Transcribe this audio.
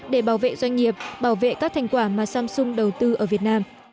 để bảo vệ doanh nghiệp bảo vệ các thành quả mà samsung đầu tư ở việt nam